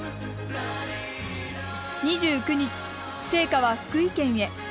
２９日、聖火は福井県へ。